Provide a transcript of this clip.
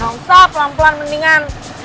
gak usah pelan pelan mendingan